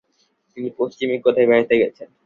তিনি পশ্চিমে কোথায় বেড়াইতে গেছেন।